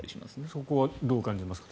そこはどう感じますか。